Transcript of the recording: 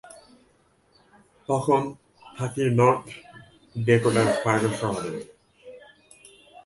তখন থাকি নর্থ ডেকোটার ফার্গো শহরে।